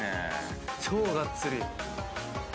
超がっつり！